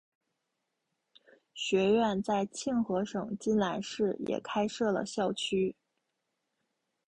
学院在庆和省金兰市也开设了校区。